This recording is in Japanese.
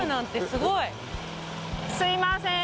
すいません。